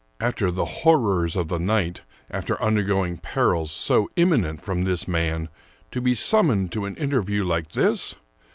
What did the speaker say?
After the horrors of the night, after undergoing perils so imminent from this man, to be summoned to an interview like this!